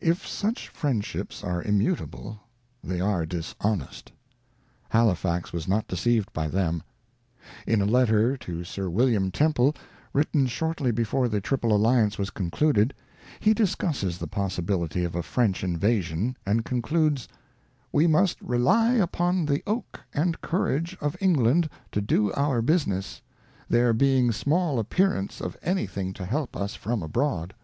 If such friendships are immutable, they are dishonest, Halifax was not deceived by them. In INTRODUCTION. xvii In a letter to Sir William Temple, written shortly before the Triple Alliance was concluded, he discusses the possibility of a French invasion, and concludes :' We must rely upon the Oak and Courage of England to do our Business, there being small Appearance of anything to help us from abroad.